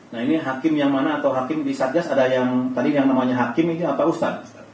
nah ini hakim yang mana atau hakim di satgas ada yang tadi yang namanya hakim ini apa ustadz